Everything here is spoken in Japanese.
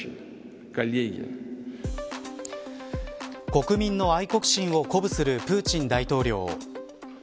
国民の愛国心を鼓舞するプーチン大統領。